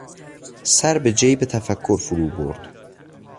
سر به جیب تفکر فرو برد.